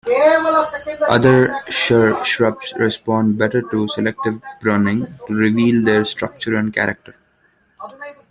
Other shrubs respond better to selective pruning to reveal their structure and character.